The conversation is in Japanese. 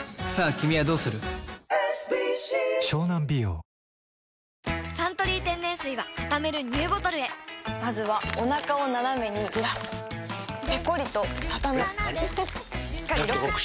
おいしさプラス「サントリー天然水」はたためるＮＥＷボトルへまずはおなかをナナメにずらすペコリ！とたたむしっかりロック！